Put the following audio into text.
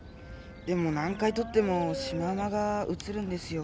でも何回とってもシマウマがうつるんですよ。